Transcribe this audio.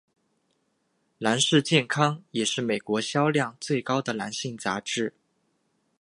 男士健康也是美国销量最高的男性杂志。